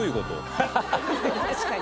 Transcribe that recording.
確かに。